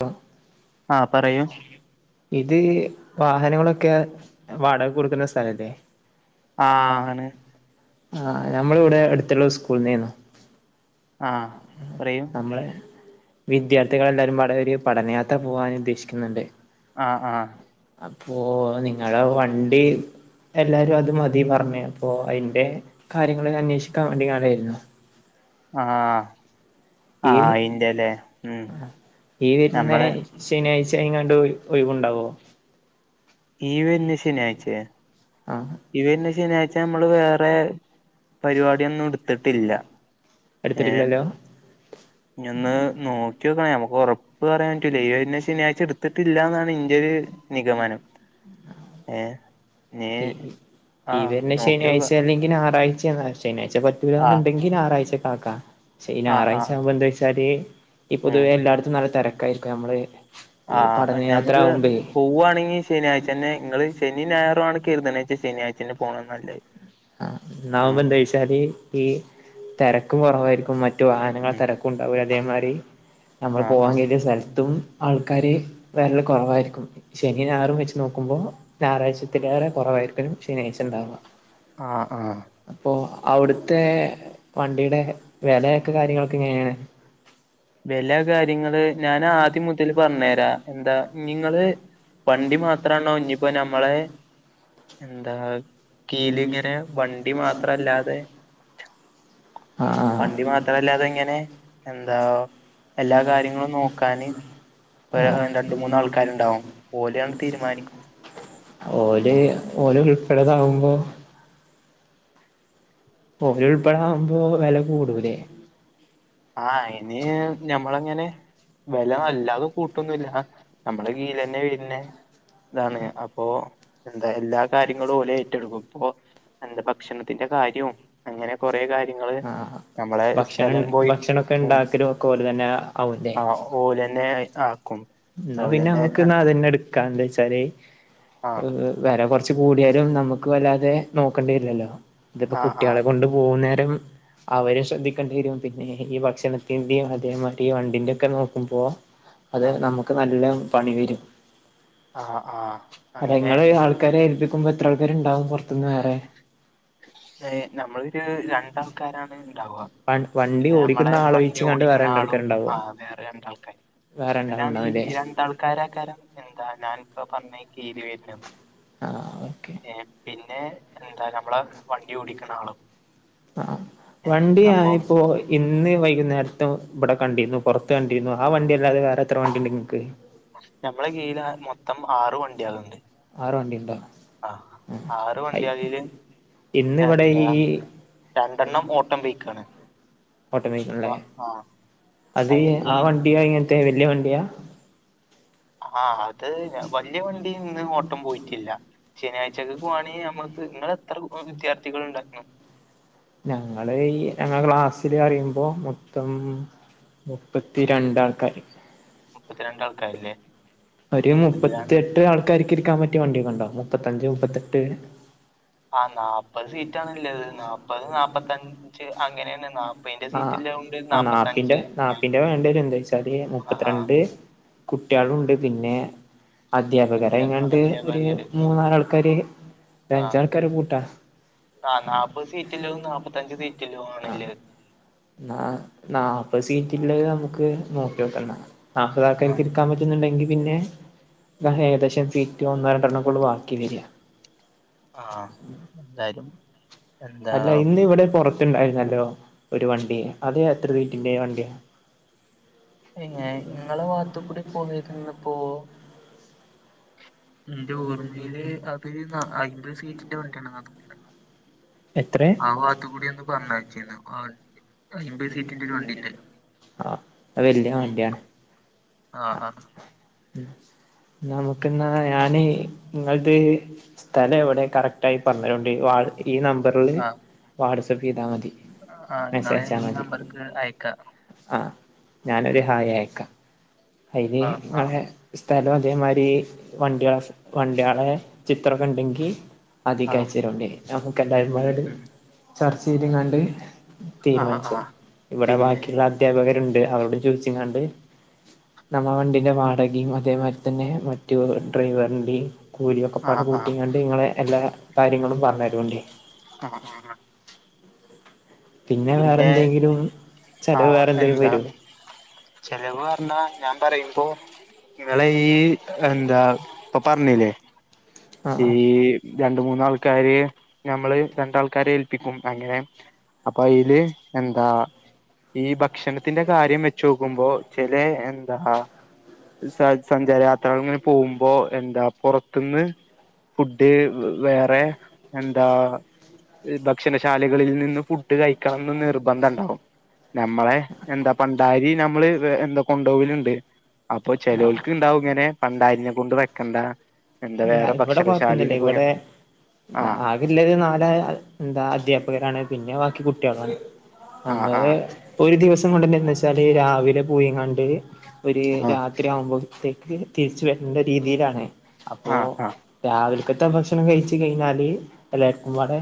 ആ ആ പറയ് ഇത് വാഹനങ്ങളൊക്കെ വാടക കൊടുക്കുന്ന സ്ഥലല്ലേ ആ ആഹ് ആണ് ആഹ് ഞമ്മളിവിടെ അടുത്തുള്ള സ്കൂള്ന്നേന്നു ആഹ് പറയൂ നമ്മള് വിദ്യാർത്ഥികളെല്ലാരുംപാടെ ഒരു പഠനയാത്ര പോവാനുദ്ദേശിക്കുന്നുണ്ട് ആഹ് ആഹ് അപ്പോ നിങ്ങള വണ്ടി എല്ലാരും അത് മതി പറഞ്ഞേ അപ്പോ അയ്ന്റെ കാര്യങ്ങൾ അന്വേഷിക്കാൻ വേണ്ടിയാരുന്നു ആഹ് ഈ ആഹ് അയിന്റല്ലേ ഉം ഞമ്മള് ശനിയാഴ്ചെങ്ങാണ്ടൊര് ഒയിവുണ്ടാവോ ഈവെര്ന്ന ശനിയാഴ്ചെ ആഹ് ഇവന്നെ ശനിയാഴ്ച നമ്മള് വേറെ പരിപാടിയൊന്നും എടുത്തിട്ടില്ല എടുത്തിട്ടില്ലല്ലോ ഇഞൊന്ന് നോക്കി വെക്കണേ ഞമ്മക്കൊറപ്പ് പ്പ് പറയാൻറ്റൂല ഈ വെരുന്ന ശനിയാഴ്ചെടുത്തിട്ടില്ലാന്നാണ് ഇന്റെ ഒരു നിഗമനം ഏ നീ ആ ഈ വെരുന്ന ശനിയ നോക്കിയോക്ക ആഴ്ചല്ലെ ഞാറാഴ്ചയ ശനാഴ്ച ആ പറ്റൂല്ലാന്ന്ണ്ടെങ്കി ഞാറാഴ്ചക്കാക്കാം പക്ഷെ ഈ ആ ആ ഞായറാഴ്ചാമ്പോ എന്താച്ചാല് ഈ ഉം പൊതുവേ എല്ലായിടത്തും നല്ല തെരക്കായിരിക്കുവമ്മള് ആഹ് ഞമ്മക്ക് പോവുവാണെങ്കി ശനിയാഴ്ചന്നെ ഇങ്ങള് ശനി ഞായറുവാണ് [unintelligible] ശനിയാഴ്ചന്നെ പോണാനല്ലത് ആ എന്നാവുമ്പോ എന്താച്ചാല് ഈ തെരക്കും കൊറവായിരിക്കും മറ്റു ഉം വാഹനങ്ങള ഉം തെര ണ്ടാവതേമാരി നമ്മൾ ആഹ് പോവാൻ ആഹ് കേറിയ സലത്തും ആൾക്കാര് വെരല് കൊറവായിരിക്കും ശനി ഞായറും വെച്ച് നോക്കുമ്പോ ഞാറാഴ്ചത്തെക്കേറെ കൊറവായിരിക്കലും ശനിയാഴ്ചണ്ടാവ ആഹ് ആഹ് അപ്പൊ അവിടുത്തെ വണ്ടീടെ വെലയൊക്കെ കാര്യങ്ങളൊക്കെ എങ്ങനാണ് വെല കാര്യങ്ങള് ഞാനാദ്യം മുതല് പറഞ്ഞു തരാ എന്താ നിങ്ങള് വണ്ടി മാത്രണോ ഇനിപ്പോ നമ്മളെ എന്താ കീലികരേ വണ്ടി മാത്രല്ലാതെ ആഹ് ആഹ് വണ്ടി മാത്രല്ലാതെങ്ങനെ എന്താ എല്ലാ കാര്യങ്ങളും നോക്കാന് ഒരു രണ്ട് മൂന്നാൾക്കാരുണ്ടാവും ഓലെയാണ് തീരുമാനിക്കും ഓല് ഓലുൾപ്പെടെതാകുമ്പോ ഓരുൾപ്പെടാകുമ്പോ വെല കൂടൂലേ ആഹ് അയ്ന് ഞമ്മളങ്ങനെ വെല അല്ലാതെ കൂട്ടൊന്നു ഇല്ല. നമ്മടെ കീയിലന്നെ വര്ണെ ഇതാണ് അപ്പോ, എന്താ എല്ലാ കാര്യങ്ങളും ഓലേറ്റെടുക്കും. ഇപ്പൊ എന്ത ഭക്ഷണത്തിന്റെ കാര്യവും അങ്ങനെ കൊറേ കാര്യങ്ങള്, നമ്മളെ സ്ഥലം പോയി ക്കെ ഉം ഇണ്ടാക്കലു ഒക്കെ ഓല് തന്നെ ആവൂല്ലേ? ആ ഓലന്നെ ആക്കും. എന്നാ പിന്നെ ഓലന്നെ നമ്ക്ക് ന്നാ അതന്നെ എട്ക്കാ. എന്താച്ചാല് ആ ഈഹ് വെല കൊറച്ച് കൂടിയാലും നമ്ക്ക് വല്ലാതെ നോക്കേണ്ടി വരില്ലല്ലോ. ഇതിപ്പൊ ആ ആ കുട്ട്യേളെ ആ കൊണ്ട് പോകുന്നേരം അവരേം ശ്രദ്ധിക്കേണ്ടി വരും പിന്നെ ഈ ഭക്ഷണത്തിന്റെയും അതേ മാതിരി ഈ വണ്ടിന്റെ ഒക്കെ നോക്കുമ്പോ അത് ആ നമുക്ക് നല്ല പണി വരും ആ ആ അത അങ്ങനെ നിങ്ങള് ആൾക്കാരെ ഏൽപ്പിക്കുമ്പോ എത്ര ആൾക്കാര്ണ്ടാവും പൊറത്ത്ന്ന് വേറെ? ത് നമ്മളൊരു രണ്ടാൾക്കാരാണ് ഇണ്ടാവുവാ. വ വണ്ടി പിന്നെ നമ്മളെ ഓടിക്കുന്ന വണ്ടി ആളൊഴിച്ച്ങ്ങാണ്ട് വേറെ ഓടിക്കണ ആളും രണ്ടാൾക്കാരുണ്ടാവോ ആഹ് വേറെ രണ്ടാൾക്കാരും. വേറെ ഇവരാണ് രണ്ടാളുണ്ടാവുംല്ലേ ഈ രണ്ടാൾക്കാരാക്കാരം, എന്താ ഞാനിപ്പോ പറഞ്ഞ കേരി വര്ന്നയാന്ന്. ആഹ് ഓക്കെ പിന്നെ എന്താ, നമ്മള വണ്ടി ഓടിക്കണ ആളും. ആഹ് ഏ അപ്പൊ വണ്ടിയായപ്പോ ഇന്ന് വൈകുന്നേരത്തും ഇബടെ കണ്ടിരുന്നു പൊറത്ത് കണ്ടിരുന്നു. ആ വണ്ടി അല്ലാതെ വേറെ എത്ര വണ്ടിണ്ട് ഇങ്ങക്ക്? ഞമ്മള കീയിലാ മൊത്തം ആറ് വണ്ട്യാള്ണ്ട്. ആറ് വണ്ടിണ്ടോ ആഹ് ആറ് വണ്ട്യാളില് ഇന്നിവിടെ എന്താ ഈ രണ്ടെണ്ണം ഓട്ടം പൊയ്‌ക്കാണ്. ഓട്ടോമാറ്റിക്കല്ലേ? അത് ആ അയിന് വണ്ടിയോ ഇങ്ങനത്തെ വല്യ വണ്ടിയാ? ആഹ് അത് വല്യ വണ്ടി ഇന്ന് ഓട്ടം പോയിട്ടില്ല. ശനിയാഴ്ചക്ക് പോവാണെങ്കി ഞമ്മക്ക്, ഇങ്ങളെത്ര വിദ്യാർത്ഥികൾ ഇണ്ടാക്ക്ണു? ഞങ്ങള് ഈ ഞങ്ങ ക്ലാസ്സില് പറിയുമ്പോ മൊത്തം മുപ്പത്തി രണ്ടാൾക്കാര് മുപ്പത്തി രണ്ടാൾക്കാര്ല്ലേ? ഒരു മുപ്പത്തിയെട്ട് ആൾക്കാർക്ക് ഇരിക്കാൻ പറ്റിയ വണ്ടിയൊക്കെ ഇണ്ടോ? മുപ്പത്തഞ്ച് മുപ്പത്തെട്ട് ആ നാപ്പത് സീറ്റാണ്ള്ളത്. നാപ്പത് നാപ്പത്തഞ് ഞ്ച്. അങ്ങനെയാണ്. നാപ്പയിന്റെ ആ സീറ്റ്ല്ലോണ്ട് ആ നാപ്പിന്റെ നാപ്പത്തഞ്ച് നാപ്പിന്റെ വേണ്ടിവരും എന്താ വെച്ചാല് ഏഹ് മുപ്പത്തിരണ്ട് കുട്ട്യേളുണ്ട് പിന്നെ അധ്യാ അദ്ധ്യാപകരായിങ്ങാണ്ട് ഒരു അധ്യാപകര് ഉം. മൂന്നാലാൾക്കാര്, ആ ഒരഞ്ചാൾക്കാരെ കൂട്ടാ. ആ നാപ്പത് സീറ്റില്ലതും നാപ്പത്തഞ്ച് സീറ്റില്ലതും ആണ് ഇല്ലത്. എന്നാ നാപ്പത് സീറ്റിള്ളത് നമ്ക്ക് നോക്കിയോക്കാ എന്നാ. നാല്പ്പതാൾക്കാർക്ക് ആഹ് ഇരി ക്കാൻ പറ്റുന്നുണ്ടെങ്കിൽ പിന്നെ ഏകദേശം സീറ്റ് ഒന്നോ രണ്ടണ്ണേക്കൂള്ളു ബാക്കി വരിക ആഹ് എന്തായാലും എന്താ അല്ല ഇന്ന് ഇവിടെ പൊറത്ത്ണ്ടായിരുന്നല്ലോ ഒരു വണ്ടി. അത് എത്ര സീറ്റിന്റെ വണ്ടിയാ? പിന്നെ ഇങ്ങളെ വാത്തു കൂടി പോയത് ഇന്നിപ്പോ ഇന്റെ ഓർമ്മയില് അത് അയ്മ്പത് സീറ്റിന്റെ വണ്ടിയാണ്ന്നാ തോന്ന്ന്നേ. എത്രേ ആ വാത്ത് കൂടി ഒന്ന് പറഞ്ഞയച്ചീന്നു ആ വണ്ടി അയ്മ്പത് സീറ്റിന്റെ ഒരു വണ്ടീണ്ട്. ആ വല്യ ഉം വണ്ടിയാണ് ആഹ് ആഹ് ഉം. നമുക്കെന്നാ ഞാന് ഇങ്ങൾത് സ്ഥലെവിടെയാ കറക്റ്റ് ആയി പറഞ്ഞരൂണ്ടി. ഈ നമ്പറില് വാട്സപ്പ് ചെയ്താ മതി. ആഹ് ഇങ്ങളെ ഈ നമ്പർക്ക് അയക്കാ. അഹ് ഞാനൊരു ഹായ് അയക്കാ. അയ്ല് ആഹ് ആഹ് ഇങ്ങളെ സ്ഥലം അതേമാരി വണ്ടിയാ വണ്ടിയാളെ ചിത്രൊക്കെ ഇണ്ടെങ്കി അതീക്ക് ആഹ് അയച്ചരൂണ്ടി. നമുക്ക് ഉം എന്തായാലുംമ്പാട് ഉം ചർച്ച ചെയ്ത്ങ്ങാണ്ട് ആഹ് തീര്മാനിച്ചാ. ആഹ് ഇവടെ പിന്നെ ബാക്കിയ്ള്ള അധ്യാപകരുണ്ട്, അവരോട് ചോദിച്ച്ങ്ങാണ്ട് നമ്മ വണ്ടിന്റെ വാടകയും അതേമാരി തന്നെ മറ്റു ഡ്രൈവറിന്റെയും കൂലിയൊക്കെ പഴ ആഹ് ആഹ് പൂട്ടിങ്ങാണ്ട് നിങ്ങളെ എല്ലാ കാര്യങ്ങളും പറഞ്ഞു തരുണ് ണ്ടി ആഹ് ആഹ് പിന്നെ ചെലവ് ആഹ് വേറെന്തേലും എന്താ വരോ ചെലവ് പറഞ്ഞാ ഞാൻ പറയുമ്പോ ഇങ്ങള് ഈ എന്താ ഇപ്പം പറഞ്ഞില്ലേ ഈ ആഹ് രണ്ട മൂന്നാൾക്കാര് ഞമ്മള് രണ്ടാൾക്കാരെ ഏൽപ്പിക്കും അങ്ങനെ അപ്പൊ അയില് എന്താ ഈ ഭക്ഷണത്തിന്റെ കാര്യം വെച്ച നോക്കുമ്പോ ചില എന്താ സ സഞ്ചാരയാത്രകൾ ഇങ്ങനെ പോകുമ്പോ എന്താ പോറത്തുന്ന് ഫുഡ് വേറെ എന്താ ഭക്ഷണശാലകളിൽ നിന്ന് ഫുഡ് കഴിക്കണംന്ന് നിർബന്ധ ണ്ടാവും നമ്മളെ എന്താ പണ്ടാരി നമ്മള് എന്താ കൊണ്ടപോവല്ണ്ട് അപ്പൊ ആഹ് ചെലോൽക്ക് ഇണ്ടാവും ഇങ്ങനെ പണ്ടാരിനെ കൊണ്ട് വെക്കണ്ട എന്താ ഇല്ല വേറെ ഇവിടെ കൊഴപ്പൊന്നുല്ല ഭക്ഷണശാലീന്ന് പോയാ ഇവിടെ ആ ഇല്ലത് നാല് എന്താ അദ്ധ്യാപകരാണ് പിന്നെ ബാക്കി കുട്ടികളാണ് ആ ആ നമ്മള് ഒരു ദിവസം കൊണ്ടന്നെ എന്താച്ചാല് രാവിലെ പോയിങ്ങാണ്ട് ഒരു രാത് ആ രാത്രി ആവുമ്പോഴത്തേക്ക് തിരിച്ച് വരണ്ട രീതിയിലാണ് അപ്പൊ ആഹ് ആഹ് രാവിലക്കത്തെ ഭക്ഷണം കഴിച്ചു കഴിഞ്ഞാല് എല്ലാര്ക്കും പാടെ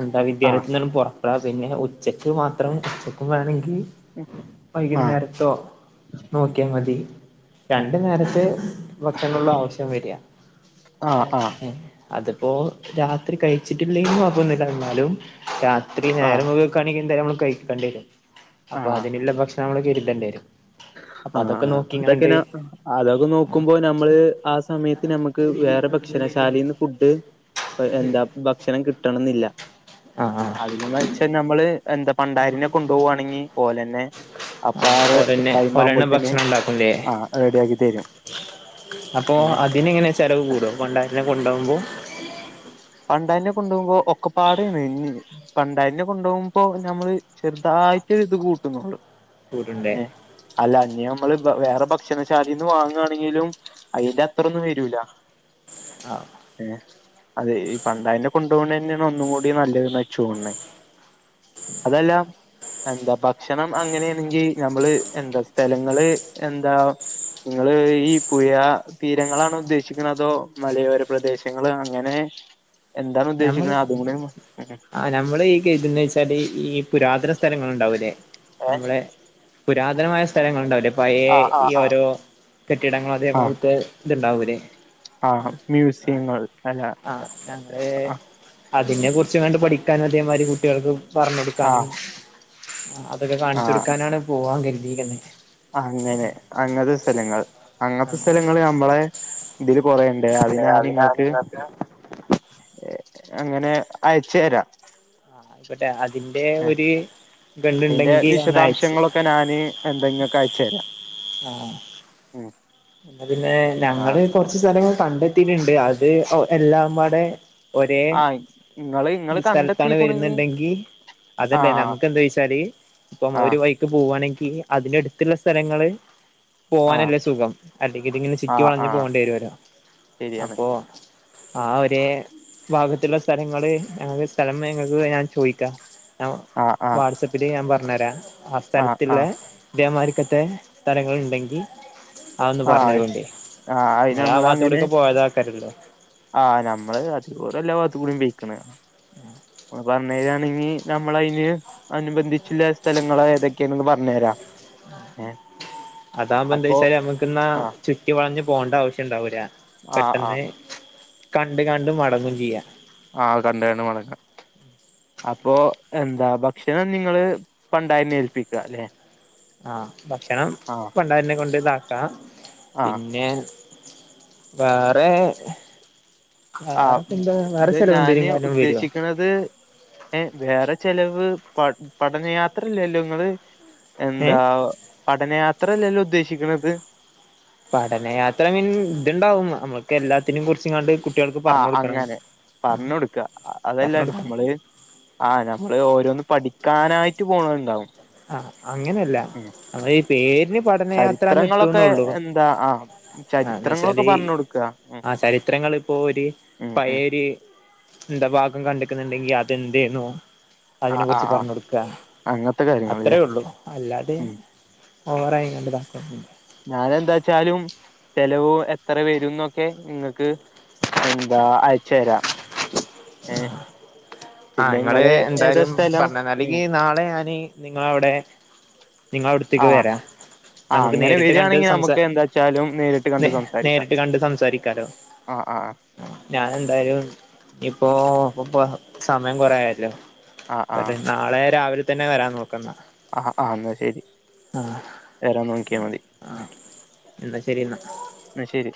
എന്താ വിദ്യാലയത്തിൽ ന്ന് പൊറാ ആ പിന്നെ ഉച്ചക്ക് മാത്രം ഉച്ചക്കും വേണങ്കിൽ ആഹ് വൈകുന്നേരത്തൊ നോക്കിയ മതി രണ്ട് നേരത്തെ ഭക്ഷണൊള്ളു ആവശ്യം വര ആഹ് ആഹ് അതിപ്പോ രാത്രി കഴിച്ചിട്ടില്ലെലും കൊയപ്പൊന്നുല്ല ഇന്നാലും രാത്രി ആഹ് നേരം വെകൊക്കാണെങ്കിൽ എന്തായാലും നമ്മള് കഴിക്കേണ്ടി വരും അപ്പൊ ആഹ് അതിനുള്ള ഭക്ഷ നമ്മള് കരുതണ്ടെരും ആഹ് ആ അതൊക്കെ നാ അതൊക്കെ നോക്കുമ്പോ ആ നമ്മള് ആ ആ സമയത്ത് നമുക്ക് വേറെ ഭക്ഷണ ശാലേന്ന് ഫുഡ് ഇപ്പം എന്താ ഭക്ഷണം കിട്ടണംന്നില്ല ആ ആ പക്ഷെ നമ്മള് എന്താ പണ്ടാരിനെ കൊണ്ടുപോകുകയാണെങ്കിൽ ഓലെന്നെ അപ്പംഅവർ ഓരെന്നെ ഭക്ഷണം ഉണ്ടാകൂലെ റെഡിയാക്കി തരും അപ്പൊ ഏഹ് അതിന് എങ്ങനെ ചെലവ് കൂടോ പണ്ടാരിനെ കൊണ്ടോകുമ്പോ പണ്ടാരിനെ കൊണ്ടോകുമ്പോ ഒക്കപ്പാട [unintelligible] പണ്ടാരിനെ കൊണ്ടോകുമ്പോ നമ്മള് ചെറുതായിട്ട് ഇത് കൂട്ടും കൂട്ടും കൂട്ട്ണ്ടേ അല്ല ഇന്നിഅ മ്മള് വേറെ ഭക്ഷണശാലീന്ന് വാങ്ങാണെങ്കിലും അയിന്റഅത്ര ഒ ന്നും വരൂല ആ ഏ അതെ ഈ പണ്ടാരിനെ കൊണ്ട്പോണെ ന്നെ ഒന്നും കൂടി നല്ലത് നാ ഇച്ച്തോന്ണേ അതല്ലാ എന്താ ഭക്ഷണം അങ്ങനെയാണെങ്കിൽ നമ്മള് എന്താ സ്ഥലങ്ങള് എന്താ ഇങ്ങള് ഈ പുയ തീരങ്ങളാണോ ഉദ്ദേശിക്കുന്നത് അതോ മലയോര പ്രദേശങ്ങള് അങ്ങനെ എന്താണ് നമ്മൾ ഉദ്ദേശിക്കണ അതും കൂടേണ് ആ നമ്മള് ഈ കരുതുന്നെ വെച്ചാല് ഈ പുരാതന സ്ഥലങ്ങള് ഉണ്ടാവൂല്ലേ ഏ നമ്മളെ പുരാതനമായ സ്ഥലങ്ങള് ഉണ്ടാവൂലെ പയേ ആ ആ ഈ ആ ഓരോ കെട്ടിടങ്ങളും അതേകാലത്ത് ഇത്ണ്ടാവൂലെ ആഹ് മ്യൂസിയങ്ങൾ അല്ല ആഹ് ഞങ്ങള് ആ അതിനെ കുറിച്ച്കാണ്ട് പഠിക്കാനും അതേമാതിരി കുട്ടികൾക്ക് പറഞ്ഞ് ആ കൊടുക്കാനും അതൊക്കെ കാണിച്ച് ആ കൊടുക്കാനാണ് പോവാൻ കരുതിക്ക്ന്നെ അങ്ങനെ അങ്ങൻത്തെ സ്ഥലങ്ങൾ അങ്ങൻത്തെ സ്ഥലങ്ങളി മ്മളെ ഇതില് കൊറേണ്ട് അതിനാന് ഇങ്ങക്ക് അങ്ങനെ അയച്ചേ രാ മറ്റേ അതിന്റെ ഒരു ഗണ്ട് അതിന്റെ ഉണ്ടെങ്കി ഒന്ന് അയച്ച്താ - വിശദാംശങ്ങളൊക്കെ ഞാന് എന്തെങ്കിക്കെ അയച്ചരാ ആഹ് ഉം പിന്നെ ആ ഞങ്ങള് കൊറച്ച് സ്ഥലങ്ങൾ കണ്ടെത്തീയിട്ടുണ്ട് അത് എല്ലാംപാടെ ഒരേ ആ ഇങ്ങള് ഇങ്ങള് സ്ഥലത്താണ് കണ്ടെത്തിക്കുണെങ്കി വര്ന്നുണ്ടെങ്കിൽ ആ അതല്ലേ നമുക്ക് എന്താ ചൊയിച്ചാല് ഇപ്പം ആ ഒരു വൈക പോവാണെങ്കിൽ അതിന്റെ അട്ത്തില്ലെ സ്ഥലങ്ങള് ആ പോവാനല്ലേ സുഖം ഇതിങ്ങനെ ആ ചിറ്റി വളഞ്ഞ് ആ പോകേണ്ടി വരല്ലോ ശരിയാണ് അപ്പോ ആ ഒരേ ഭാഗത്തുള്ള സ്ഥലങ്ങള് സ്ഥലം ഇങ്ങക്ക് ഞാൻ ചോയിക്കാം ആ ആ വാട്സപ്പില് ഞാൻ പറഞ്ഞെരാ ആ സ്ഥലത്തിള്ള ഇതേ മാതിരിക്കതെ സ്ഥലങ്ങള് ഇണ്ടെങ്കി അതോന്ന് ആ പറഞ്ഞെരോണ്ടി അത് നിങ്ങളാ ആഹ് ഭാഗത്ത് കൂടെക്കെ പോയതാക്കാരുല്ലോ ആഹ് നമ്മള് അത് ഒരേല്ലാ ഭാത്തും കൂടീം പെയ്ക്ക്ണ് അപ്പോ അന്നേരാണെങ്കിൽ നമ്മളയിന് അനുബന്ധിച്ചുള്ള സ്ഥലങ്ങള് ഏതൊക്കെണന്ന് പറഞ്ഞേരാ ആഹ് അതാകുമ്പോ എന്താ അപ്പൊ വെച്ചാല് നമ്മക്ക് ന്നാ ആഹ് ചുറ്റി വളഞ്ഞ പോവണ്ട ആവശ്യണ്ടാവൂല ആഹ് പെട്ടെന്ന് ആഹ് കണ്ട് കണ്ട് മടങ്ങും ചെയ്യാ ആഹ് കണ്ടാണ്ട് മടങ്ങ അപ്പൊ എന്താ ഭക്ഷണം നിങ്ങള് പണ്ടാരിനെ ഏൽപ്പിക്ക ല്ലെ ആഹ് ഭക്ഷണം പണ്ടാരിനെ കൊണ്ട് ഇതാക്കാ ആഹ് പിന്നെ വേറെഹ് ആഹ് ഇത് ചെലവെന്തേലും ഞാന് കാര്യം വരോ ഉദ്ദേശിക്കണത് ഏഹ് വേറെ ചെലവ് പ പഠനയാത്രല്ലല്ലോ ങ്ങള് ഏ എന്താ പഠനയാത്രയല്ലല്ലോ ഉദ്ദേശിക്കണത് പഠനയാത്ര മിൻ ഇത്ണ്ടാവും നമ്മുക്ക് എല്ലാത്തിനും കുറിച്ച് ങ്ങാണ്ട് ആഹ് അങ്ങനെ പറഞ്ഞു കൊടുക്ക അതല്ല പറഞ്ഞു കൊടുക്കണം നമ്മള് ആഹ് നമ്മള് ഓരോന്ന് പഠിക്കാനായിട്ട് പോണെ ണ്ടാവും ആഹ് അങ്ങനെല്ല അത് ഈ പേരി പഠനയാത്ര ചരിത്രങ്ങളൊക്കെ നിട്ടുന്നോള്ളു എന്താ ആഹ് ആഹ് ന്ന് ചരിത്രങ്ങളൊക്കെ വെച്ചാല് പറഞ്ഞ് കൊടുക്ക ഉം ആഹ് ചരിത്രങ്ങള് ഇപ്പോ ഒരു ഉം ഉം പഴേര് എന്താ ഭാഗം കണ്ടക്കുന്നുണ്ടെങ്കി അതെന്തേെന്നു അതിനെ ആഹ് കുറിച്ച് ആഹ് ആഹ് പറഞ്ഞ് കൊടുക്കാ അങ്ങനത്തെ കാര്യങ്ങള് അത്രയേ ഒള്ളൂ അല്ലാതെ ഉം ഓവറായി കാണ്ട് ഇതകൊന്നുംല്ല ഞാനെന്താ ച്ചാലും ചെലവ് എത്ര വെറും ന്നൊക്കെ ങ്ങക്ക് എന്താ അയച്ചരാ ഏഹ് ആഹ് ഇങ്ങള് എന്തായാലും പറഞ്ഞന്നാല് ഉം അല്ലെങ്കി നാളെ ഞാന് നിങ്ങളവിടെ നിങ്ങളവ്ടത്തക്ക് വെരാ ആഹ് അങ്ങനെ വേരാണെങ്കി നമുക്ക് എന്താച്ചാലും നേരിട്ട് കണ്ട് സംസാരിക്കാ നേരിട്ട് കണ്ട് സംസാരിക്കാലോ ആഹ് ആഹ് ആഹ് ഞാൻ എന്തായാലും ഇപ്പോ ഒപ്പോ സമയം കൊറേ ആയല്ലോ ആ ആ ഒര് നാളെ രാവിലെ തന്നെ വരാൻ നോക്കന്നാ ആഹ് ആഹ് ന്നാ ശരി ആ വേറെ നോക്കിയാ മതി ആ എന്നാ ശരി എന്നാ എന്ന ശരി